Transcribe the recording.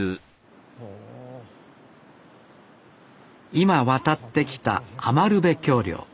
今渡ってきた余部橋梁。